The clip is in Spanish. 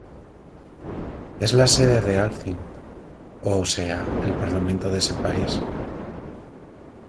Es la sede del Althing, o sea el Parlamento de ese país.